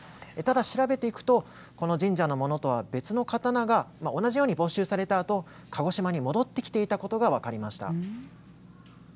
ただ、調べていくと、この神社のものとは別の刀が、同じように没収されたあと、鹿児島に戻ってきていたことが分かりました。